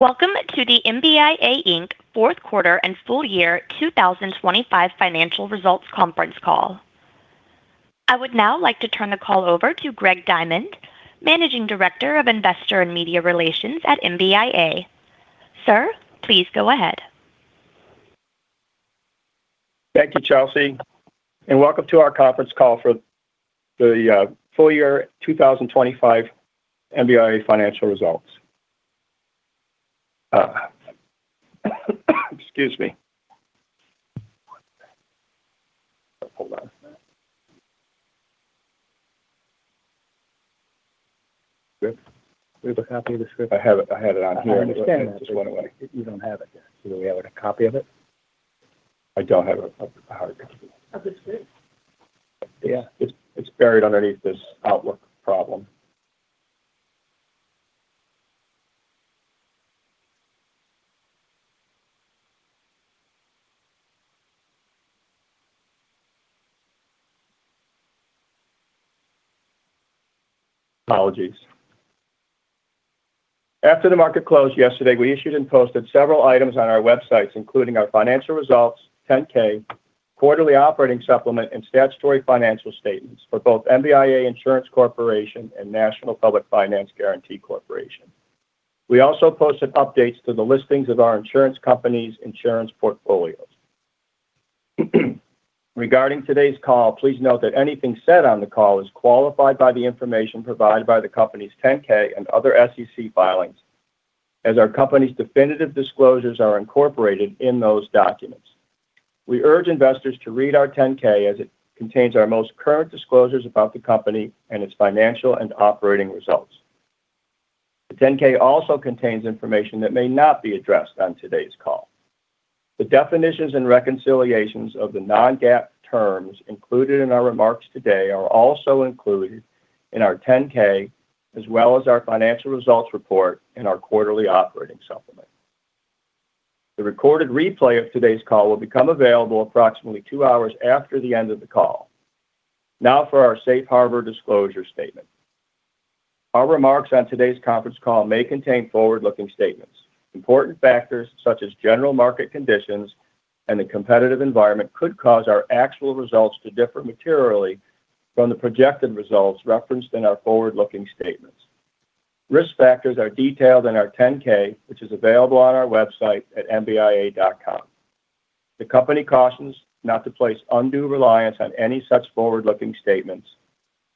Welcome to the MBIA Inc. fourth quarter and full year 2025 financial results conference call. I would now like to turn the call over to Greg Diamond, Managing Director of Investor and Media Relations at MBIA. Sir, please go ahead. Thank you, Chelsea, and welcome to our conference call for the full year 2025 MBIA financial results. Excuse me. Hold on. Do you have a copy of the script? I have it. I had it on here. I understand. It just went away. You don't have it. Do we have a copy of it? I don't have a hard copy. Of the script? It's buried underneath this Outlook problem. Apologies. After the market closed yesterday, we issued and posted several items on our websites, including our financial results, 10-K, Quarterly Operating Supplement, and statutory financial statements for both MBIA Insurance Corporation and National Public Finance Guarantee Corporation. We also posted updates to the listings of our insurance company's insurance portfolios. Regarding today's call, please note that anything said on the call is qualified by the information provided by the company's 10-K and other SEC filings, as our company's definitive disclosures are incorporated in those documents. We urge investors to read our 10-K as it contains our most current disclosures about the company and its financial and operating results. The 10-K also contains information that may not be addressed on today's call. The definitions and reconciliations of the non-GAAP terms included in our remarks today are also included in our 10-K, as well as our financial results report and our Quarterly Operating Supplement. The recorded replay of today's call will become available approximately two hours after the end of the call. For our Safe Harbor Disclosure Statement. Our remarks on today's conference call may contain forward-looking statements. Important factors such as general market conditions and the competitive environment could cause our actual results to differ materially from the projected results referenced in our forward-looking statements. Risk factors are detailed in our 10-K, which is available on our website at mbia.com. The company cautions not to place undue reliance on any such forward-looking statements.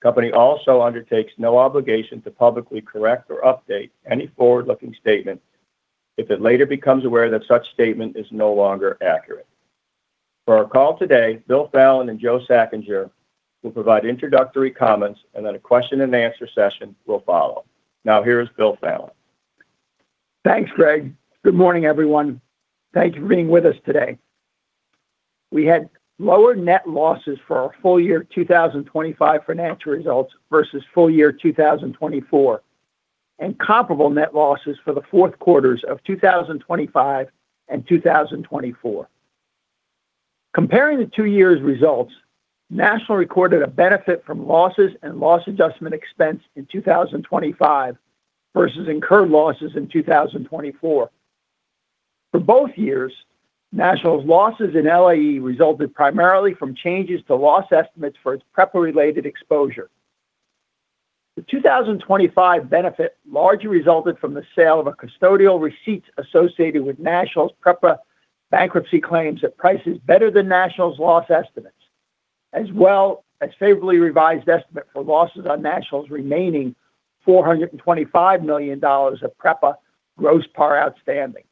The company also undertakes no obligation to publicly correct or update any forward-looking statement if it later becomes aware that such statement is no longer accurate. For our call today, Bill Fallon and Joe Schachinger will provide introductory comments, and then a question-and-answer session will follow. Now, here is Bill Fallon. Thanks, Greg. Good morning, everyone. Thank you for being with us today. We had lower net losses for our full year 2025 financial results versus full year 2024, and comparable net losses for the fourth quarters of 2025 and 2024. Comparing the two years' results, National recorded a benefit from losses and loss adjustment expense in 2025 versus incurred losses in 2024. For both years, National's losses in LAE resulted primarily from changes to loss estimates for its PREPA-related exposure. The 2025 benefit largely resulted from the sale of a custodial receipt associated with National's PREPA bankruptcy claims at prices better than National's loss estimates, as well as favorably revised estimate for losses on National's remaining $425 million of PREPA gross par outstanding.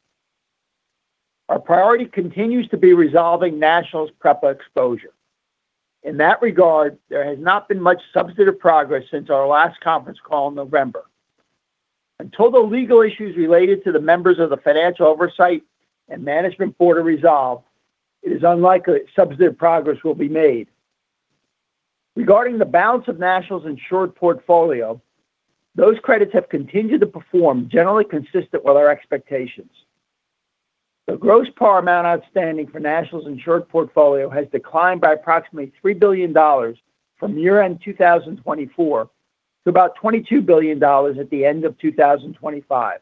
Our priority continues to be resolving National's PREPA exposure. In that regard, there has not been much substantive progress since our last conference call in November. Until the legal issues related to the members of the Financial Oversight and Management Board are resolved, it is unlikely that substantive progress will be made. Regarding the balance of National's insured portfolio, those credits have continued to perform generally consistent with our expectations. The gross par amount outstanding for National's insured portfolio has declined by approximately $3 billion from year-end 2024 to about $22 billion at the end of 2025.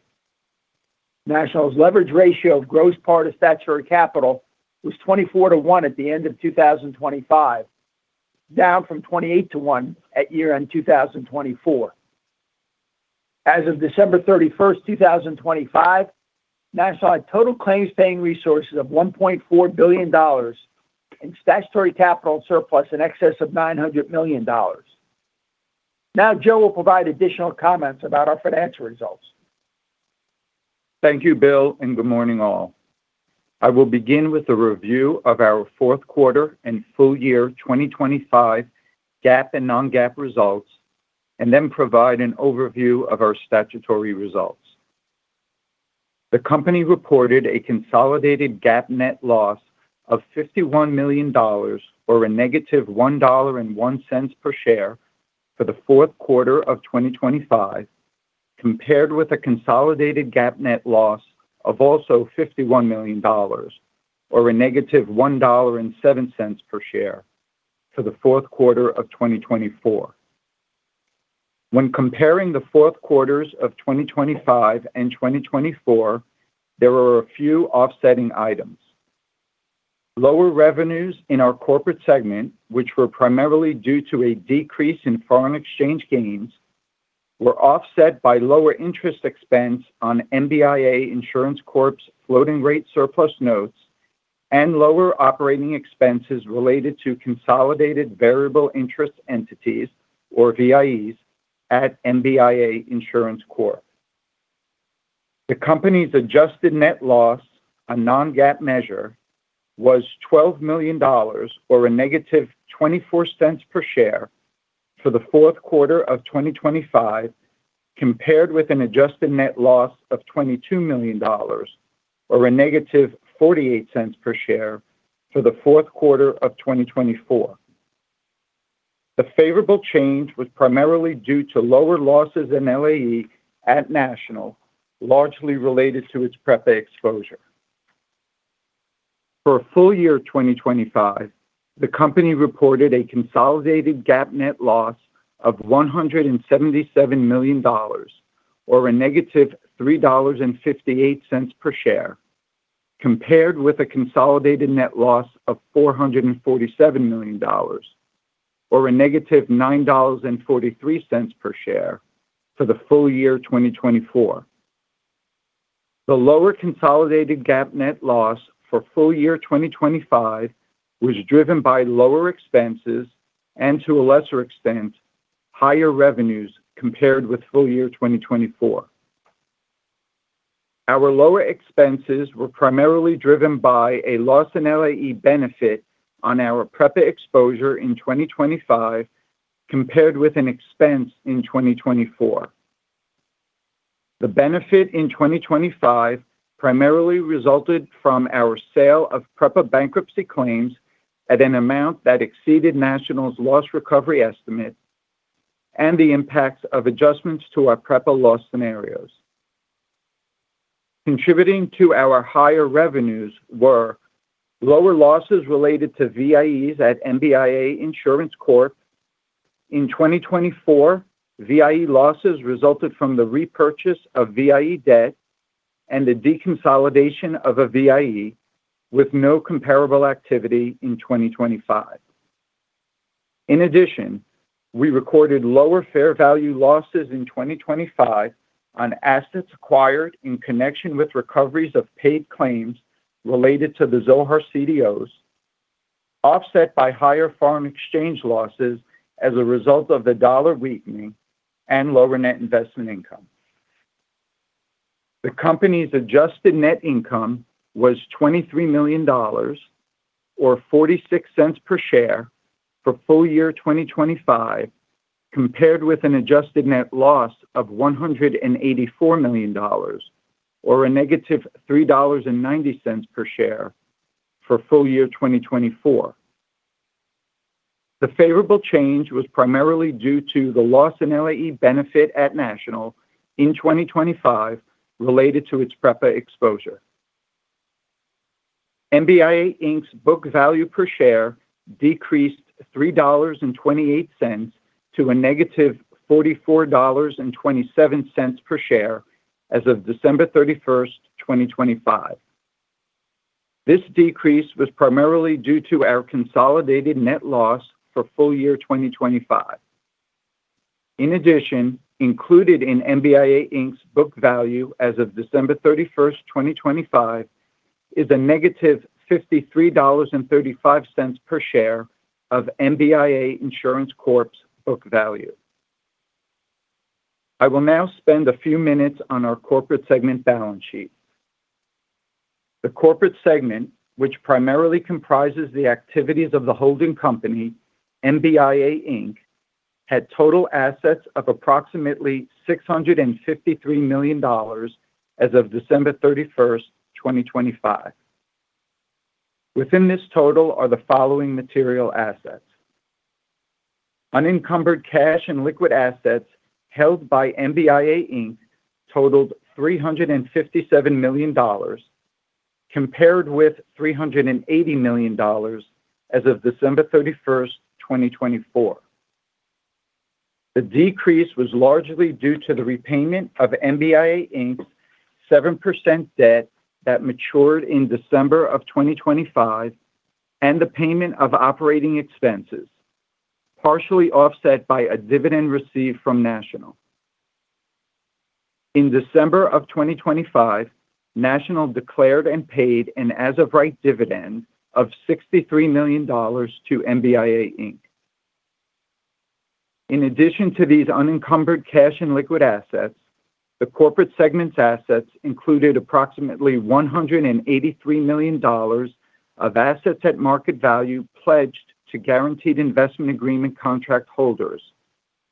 National's leverage ratio of gross par to statutory capital was 24 to one at the end of 2025, down from 28 to one at year-end 2024. As of December 31st, 2025, National had total claims-paying resources of $1.4 billion and statutory capital surplus in excess of $900 million. Joe will provide additional comments about our financial results. Thank you, Bill. Good morning, all. I will begin with a review of our fourth quarter and full year 2025 GAAP and non-GAAP results, and then provide an overview of our statutory results. The company reported a consolidated GAAP net loss of $51 million or a negative $1.01 per share for the fourth quarter of 2025, compared with a consolidated GAAP net loss of also $51 million or a negative $1.07 per share for the fourth quarter of 2024. When comparing the fourth quarters of 2025 and 2024, there were a few offsetting items. Lower revenues in our corporate segment, which were primarily due to a decrease in foreign exchange gains, were offset by lower interest expense on MBIA Insurance Corp.'s floating-rate surplus notes and lower operating expenses related to consolidated variable interest entities, or VIEs, at MBIA Insurance Corp. The company's adjusted net loss, a non-GAAP measure, was $12 million, or a negative $0.24 per share, for the fourth quarter of 2025, compared with an adjusted net loss of $22 million, or a negative $0.48 per share, for the fourth quarter of 2024. The favorable change was primarily due to lower losses in LAE at National, largely related to its PREPA exposure. For full year 2025, the company reported a consolidated GAAP net loss of $177 million, or a negative $3.58 per share, compared with a consolidated net loss of $447 million, or a negative $9.43 per share for the full year 2024. The lower consolidated GAAP net loss for full year 2025 was driven by lower expenses and, to a lesser extent, higher revenues compared with full year 2024. Our lower expenses were primarily driven by a loss in LAE benefit on our PREPA exposure in 2025, compared with an expense in 2024. The benefit in 2025 primarily resulted from our sale of PREPA bankruptcy claims at an amount that exceeded National's loss recovery estimate and the impact of adjustments to our PREPA loss scenarios. Contributing to our higher revenues were lower losses related to VIEs at MBIA Insurance Corp. In 2024, VIE losses resulted from the repurchase of VIE debt and the deconsolidation of a VIE, with no comparable activity in 2025. In addition, we recorded lower fair value losses in 2025 on assets acquired in connection with recoveries of paid claims related to the Zohar CDOs, offset by higher foreign exchange losses as a result of the dollar weakening and lower net investment income. The company's adjusted net income was $23 million, or $0.46 per share, for full year 2025, compared with an adjusted net loss of $184 million, or a $-3.90 per share, for full year 2024. The favorable change was primarily due to the loss in LAE benefit at National in 2025 related to its PREPA exposure. MBIA Inc.'s book value per share decreased $3.28 to a negative $44.27 per share as of December 31st, 2025. This decrease was primarily due to our consolidated net loss for full year 2025. In addition, included in MBIA Inc.'s book value as of December 31st, 2025, is a negative $53.35 per share of MBIA Insurance Corp.'s book value. I will now spend a few minutes on our corporate segment balance sheet. The corporate segment, which primarily comprises the activities of the holding company, MBIA Inc., had total assets of approximately $653 million as of December 31st, 2025. Within this total are the following material assets: Unencumbered cash and liquid assets held by MBIA Inc. totaled $357 million, compared with $380 million as of December 31st, 2024. The decrease was largely due to the repayment of MBIA Inc's 7% debt that matured in December of 2025 and the payment of operating expenses, partially offset by a dividend received from National. December of 2025, National declared and paid an as-of-right dividend of $63 million to MBIA Inc. Addition to these unencumbered cash and liquid assets, the corporate segment's assets included approximately $183 million of assets at market value, pledged to guaranteed investment agreement contract holders,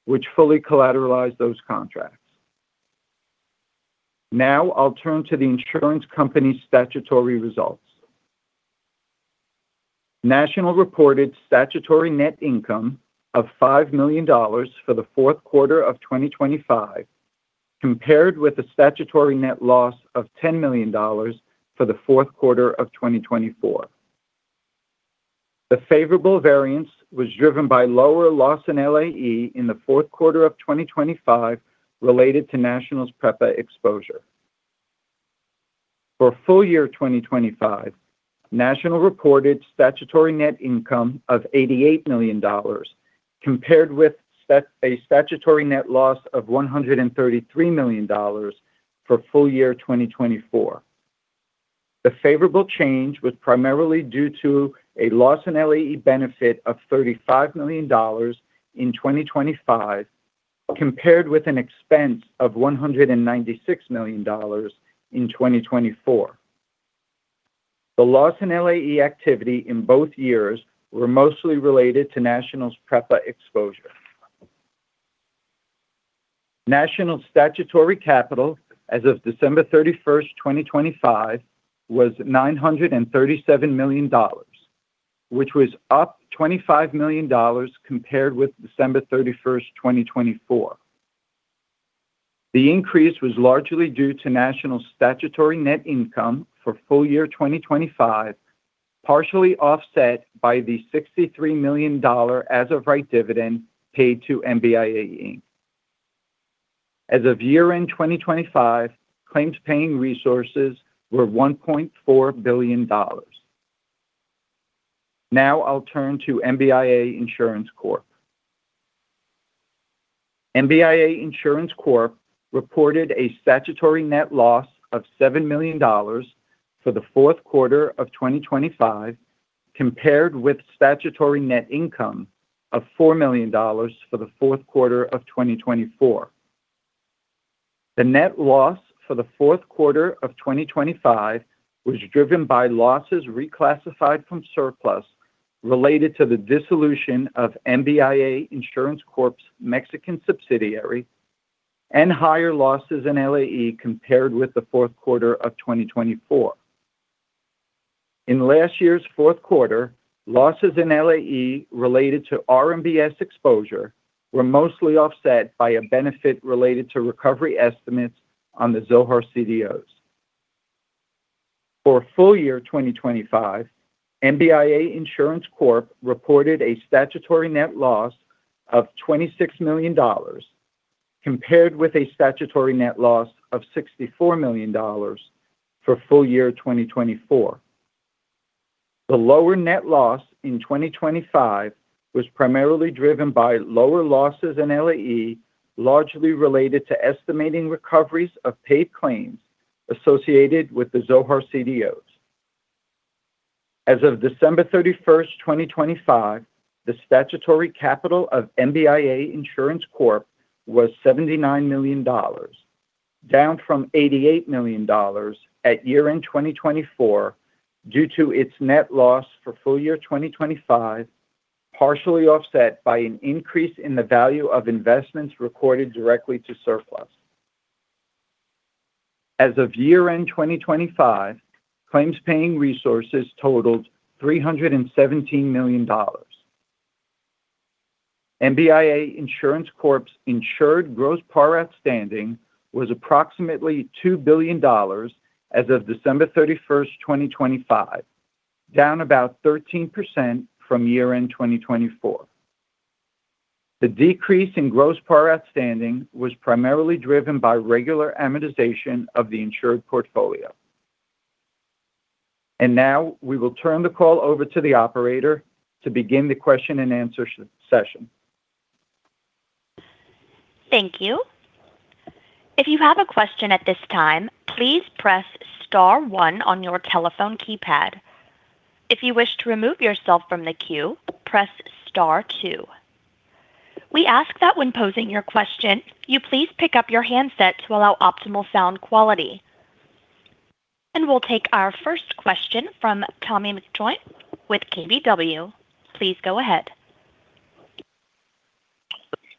which fully collateralized those contracts. I'll turn to the insurance company's statutory results. National reported statutory net income of $5 million for the fourth quarter of 2025, compared with a statutory net loss of $10 million for the fourth quarter of 2024. The favorable variance was driven by lower loss in LAE in the fourth quarter of 2025 related to National's PREPA exposure. For full year 2025, National reported statutory net income of $88 million, compared with a statutory net loss of $133 million for full year 2024. The favorable change was primarily due to a loss in LAE benefit of $35 million in 2025, compared with an expense of $196 million in 2024. The loss in LAE activity in both years were mostly related to National's PREPA exposure. National statutory capital as of December 31st, 2025, was $937 million, which was up $25 million compared with December 31st, 2024. The increase was largely due to National statutory net income for full year 2025, partially offset by the $63 million as-of-right dividend paid to MBIA Inc. As of year-end 2025, claims-paying resources were $1.4 billion. I'll turn to MBIA Insurance Corp. MBIA Insurance Corp reported a statutory net loss of $7 million for the fourth quarter of 2025, compared with statutory net income of $4 million for the fourth quarter of 2024. The net loss for the fourth quarter of 2025 was driven by losses reclassified from surplus related to the dissolution of MBIA Insurance Corp.'s Mexican subsidiary and higher losses in LAE compared with the fourth quarter of 2024. In last year's fourth quarter, losses in LAE related to RMBS exposure were mostly offset by a benefit related to recovery estimates on the Zohar CDOs. For full year 2025, MBIA Insurance Corp. reported a statutory net loss of $26 million, compared with a statutory net loss of $64 million for full year 2024. The lower net loss in 2025 was primarily driven by lower losses in LAE, largely related to estimating recoveries of paid claims associated with the Zohar CDOs. As of December 31st, 2025, the statutory capital of MBIA Insurance Corp was $79 million, down from $88 million at year-end 2024, due to its net loss for full year 2025, partially offset by an increase in the value of investments recorded directly to surplus. As of year-end 2025, claims-paying resources totaled $317 million. MBIA Insurance Corp's insured gross par outstanding was approximately $2 billion as of December 31st, 2025, down about 13% from year-end 2024. The decrease in gross par outstanding was primarily driven by regular amortization of the insured portfolio. Now we will turn the call over to the operator to begin the question and answer session. Thank you. If you have a question at this time, please press star one on your telephone keypad. If you wish to remove yourself from the queue, press star two. We ask that when posing your question, you please pick up your handset to allow optimal sound quality. We'll take our first question from Tommy McJoynt with KBW. Please go ahead.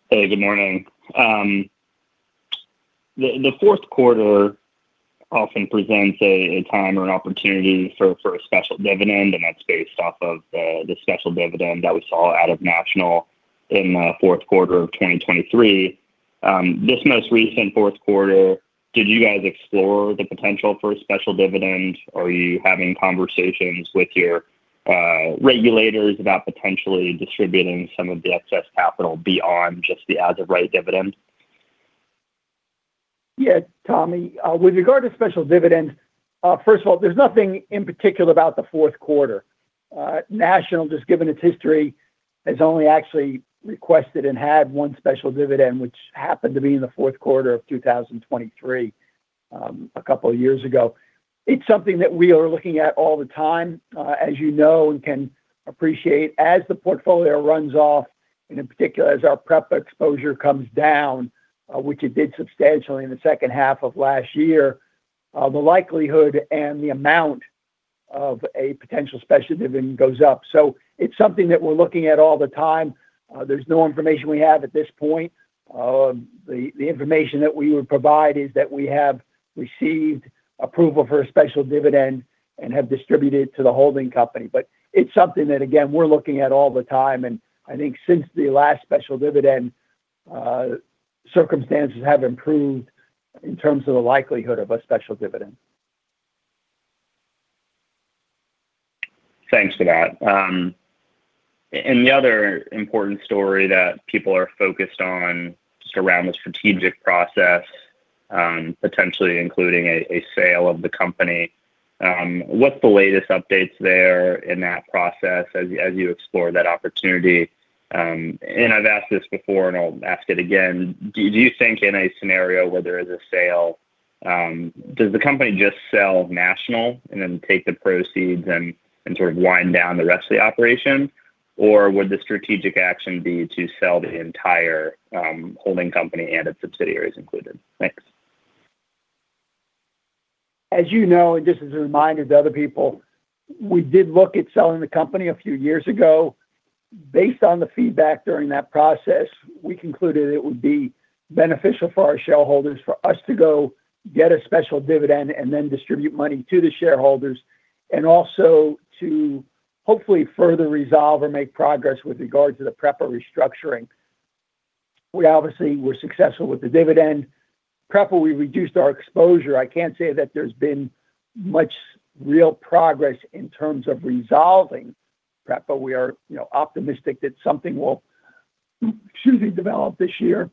Hey, good morning. The fourth quarter often presents a time or an opportunity for a special dividend, and that's based off of the special dividend that we saw out of National in fourth quarter of 2023. This most recent fourth quarter, did you guys explore the potential for a special dividend? Are you having conversations with your regulators about potentially distributing some of the excess capital beyond just the as-of-right dividend? Tommy, with regard to special dividends, first of all, there's nothing in particular about the fourth quarter. National, just given its history, has only actually requested and had one special dividend, which happened to be in the fourth quarter of 2023, a couple of years ago. It's something that we are looking at all the time. As you know, and can appreciate, as the portfolio runs off, and in particular, as our prep exposure comes down, which it did substantially in the second half of last year, the likelihood and the amount of a potential special dividend goes up. It's something that we're looking at all the time. There's no information we have at this point. The information that we would provide is that we have received approval for a special dividend and have distributed to the holding company. It's something that, again, we're looking at all the time, and I think since the last special dividend, circumstances have improved in terms of the likelihood of a special dividend. Thanks for that. The other important story that people are focused on just around the strategic process, potentially including a sale of the company. What's the latest updates there in that process as you, as you explore that opportunity? I've asked this before, and I'll ask it again: Do you think in a scenario where there is a sale, does the company just sell National and then take the proceeds and sort of wind down the rest of the operation? Or would the strategic action be to sell the entire holding company and its subsidiaries included? Thanks. As you know, and just as a reminder to other people, we did look at selling the company a few years ago. Based on the feedback during that process, we concluded it would be beneficial for our shareholders for us to go get a special dividend and then distribute money to the shareholders, and also to hopefully further resolve or make progress with regard to the PREPA restructuring. We obviously were successful with the dividend. PREPA, we reduced our exposure. I can't say that there's been much real progress in terms of resolving PREPA. We are, you know, optimistic that something will, excuse me, develop this year.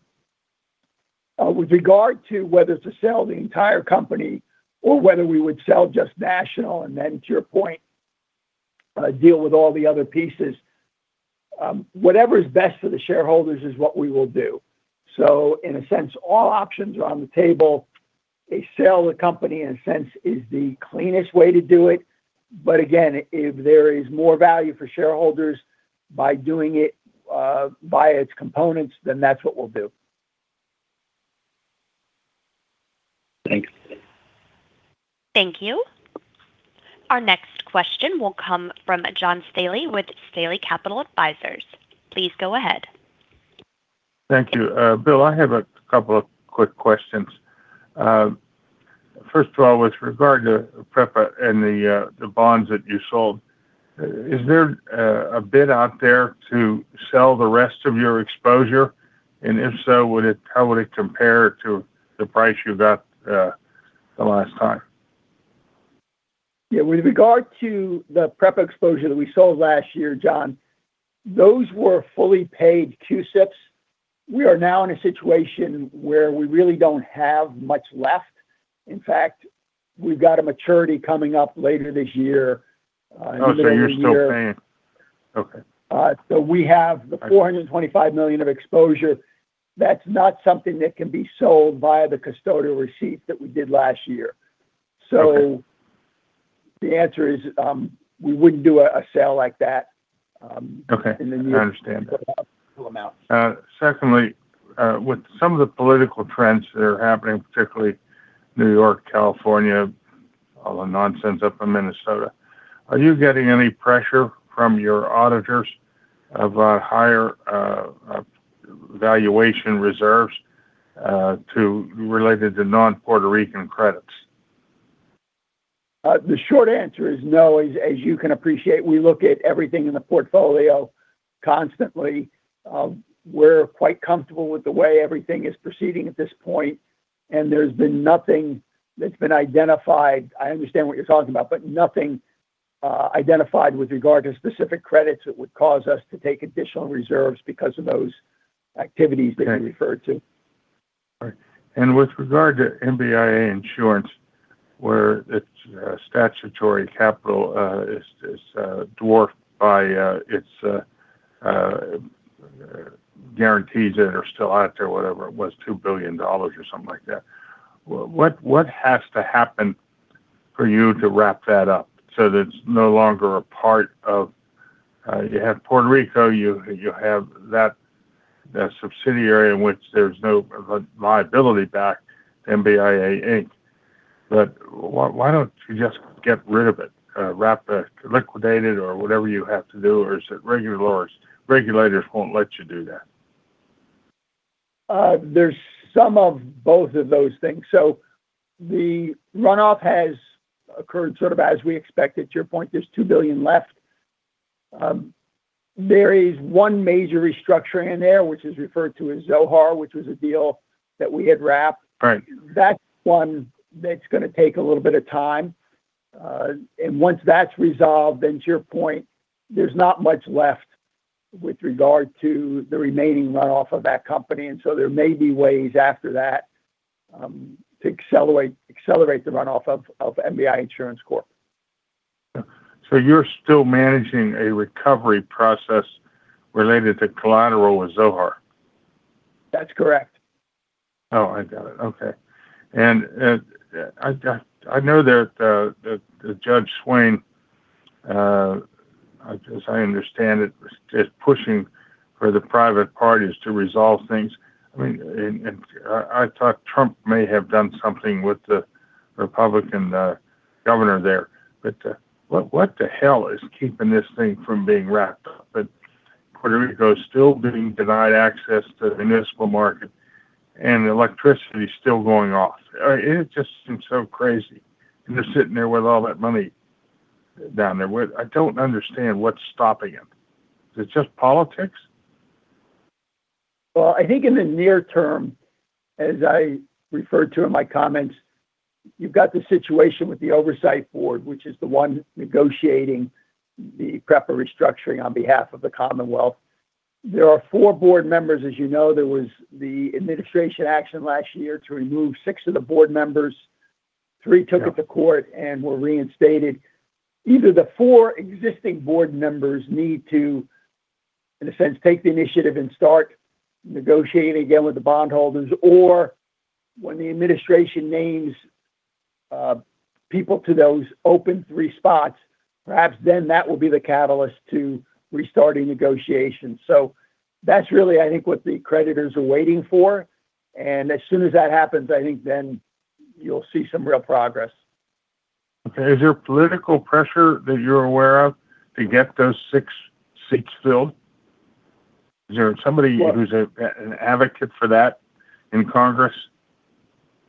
With regard to whether to sell the entire company or whether we would sell just National, and then to your point, deal with all the other pieces, whatever is best for the shareholders is what we will do. In a sense, all options are on the table. A sale of the company, in a sense, is the cleanest way to do it. Again, if there is more value for shareholders by doing it, by its components, then that's what we'll do. Thanks. Thank you. Our next question will come from John Staley with Staley Capital Advisors. Please go ahead. Thank you. Bill, I have a couple of quick questions. First of all, with regard to PREPA and the bonds that you sold, is there, a bid out there to sell the rest of your exposure? If so, how would it compare to the price you got the last time? With regard to the PREPA exposure that we sold last year, John, those were fully paid QSIBs. We are now in a situation where we really don't have much left. In fact, we've got a maturity coming up later this year, in the middle of the year. Oh, you're still paying? Okay. So we have the. I see. $425 million of exposure. That's not something that can be sold via the custodial receipt that we did last year. Okay. The answer is, we wouldn't do a sale like that. Okay. I understand. Term pull amount. Secondly, with some of the political trends that are happening, particularly New York, California, all the nonsense up in Minnesota, are you getting any pressure from your auditors about higher valuation reserves related to non-Puerto Rican credits? The short answer is no. As you can appreciate, we look at everything in the portfolio constantly. We're quite comfortable with the way everything is proceeding at this point. There's been nothing that's been identified. I understand what you're talking about. Nothing identified with regard to specific credits that would cause us to take additional reserves because of those activities that you referred to. All right. With regard to MBIA Insurance, where its statutory capital is dwarfed by its guarantees that are still out there, whatever it was, $2 billion or something like that. What has to happen for you to wrap that up so that it's no longer a part of, you have Puerto Rico, you have that subsidiary in which there's no liability back to MBIA Inc. Why, why don't you just get rid of it? Wrap it, liquidate it, or whatever you have to do, or is it regulators won't let you do that? There's some of both of those things. The runoff has occurred sort of as we expected. To your point, there's $2 billion left. There is one major restructuring in there, which is referred to as Zohar, which was a deal that we had wrapped. Right. That's one that's gonna take a little bit of time. Once that's resolved, then to your point, there's not much left with regard to the remaining runoff of that company, and so there may be ways after that, to accelerate the runoff of MBIA Insurance Corp. You're still managing a recovery process related to collateral with Zohar? That's correct. Oh, I got it. Okay. I know that Judge Swain, as I understand it, is pushing for the private parties to resolve things. I mean, I thought Trump may have done something with the Republican governor there, but what the hell is keeping this thing from being wrapped up? Puerto Rico is still being denied access to the municipal market, and the electricity is still going off. It just seems so crazy, and they're sitting there with all that money down there. I don't understand what's stopping them. Is it just politics? Well, I think in the near term, as I referred to in my comments, you've got the situation with the Oversight Board, which is the one negotiating the PREPA restructuring on behalf of the Commonwealth. There are four board members, as you know, there was the administration action last year to remove 6six of the board members. Three took it to court and were reinstated. Either the four existing board members need to, in a sense, take the initiative and start negotiating again with the bondholders, or when the administration names people to those open three spots, perhaps then that will be the catalyst to restarting negotiations. That's really, I think, what the creditors are waiting for, and as soon as that happens, I think then you'll see some real progress. Is there political pressure that you're aware of to get those six seats filled? Is there somebody who's a, an advocate for that in Congress?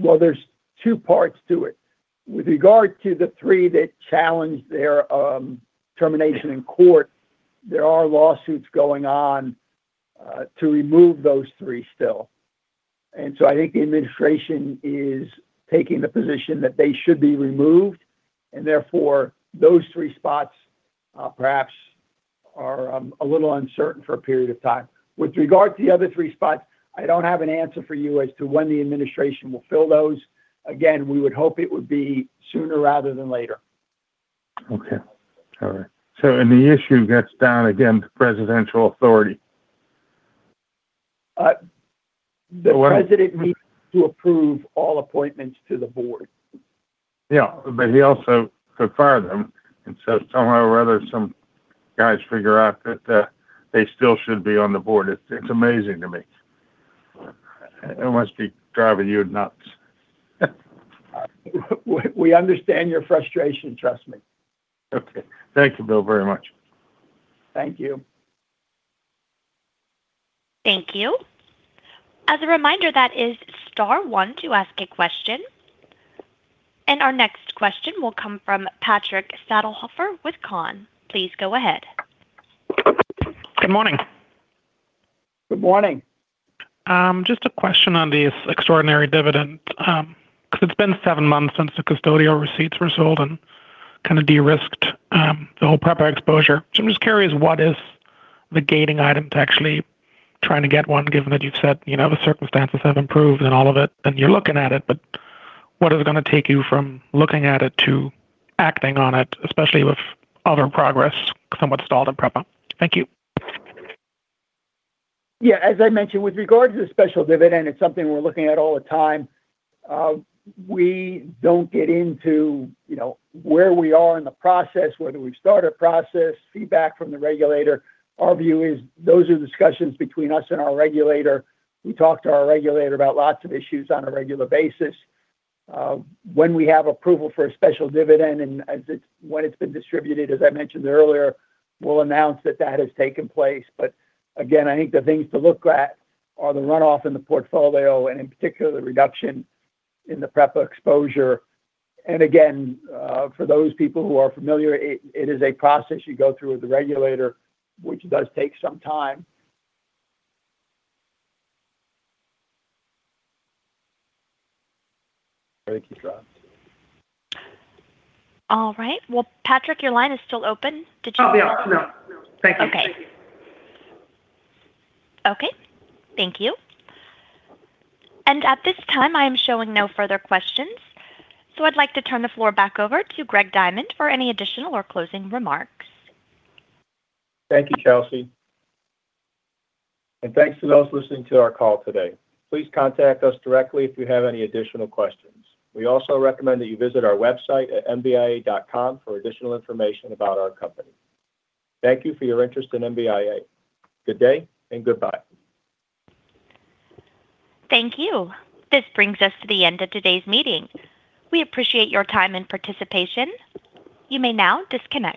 Well, there's two parts to it. With regard to the three that challenged their termination in court, there are lawsuits going on to remove those three still. I think the administration is taking the position that they should be removed, and therefore, those three spots, perhaps are a little uncertain for a period of time. With regard to the other three spots, I don't have an answer for you as to when the administration will fill those. Again, we would hope it would be sooner rather than later. Okay. All right. The issue gets down again to presidential authority? The president needs to approve all appointments to the board. Yeah, but he also could fire them. Somehow or other, some guys figure out that they still should be on the board. It's amazing to me. It must be driving you nuts. We understand your frustration, trust me. Okay. Thank you, Bill, very much. Thank you. Thank you. As a reminder, that is star one to ask a question. Our next question will come from Patrick Stadelhofer with Kahn. Please go ahead. Good morning. Good morning. Just a question on the extraordinary dividend. Because it's been seven months since the custodial receipts were sold and kind of de-risked, the whole PREPA exposure. I'm just curious, what is the gating item to actually trying to get one, given that you've said, you know, the circumstances have improved and all of it, and you're looking at it, but what is it going to take you from looking at it to acting on it, especially with other progress somewhat stalled in PREPA? Thank you. Yeah, as I mentioned, with regard to the special dividend, it's something we're looking at all the time. We don't get into, you know, where we are in the process, whether we start a process, feedback from the regulator. Our view is those are discussions between us and our regulator. We talk to our regulator about lots of issues on a regular basis. When we have approval for a special dividend and when it's been distributed, as I mentioned earlier, we'll announce that that has taken place. Again, I think the things to look at are the runoff in the portfolio, and in particular, the reduction in the PREPA exposure. Again, for those people who are familiar, it is a process you go through with the regulator, which does take some time. Thank you. All right. Well, Patrick, your line is still open. Oh, yeah. No. Thank you. Okay. Okay, thank you. At this time, I am showing no further questions, I'd like to turn the floor back over to Greg Diamond for any additional or closing remarks. Thank you, Chelsea. Thanks to those listening to our call today. Please contact us directly if you have any additional questions. We also recommend that you visit our website at mbia.com for additional information about our company. Thank you for your interest in MBIA. Good day and goodbye. Thank you. This brings us to the end of today's meeting. We appreciate your time and participation. You may now disconnect.